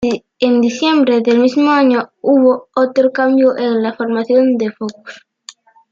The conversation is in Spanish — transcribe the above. En diciembre del mismo año hubo otro cambio en la formación de Focus.